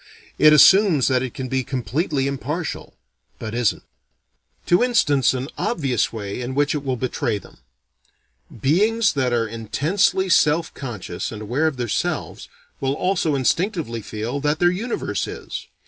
It assumes that it can be completely impartial but isn't. To instance an obvious way in which it will betray them: beings that are intensely self conscious and aware of their selves, will also instinctively feel that their universe is.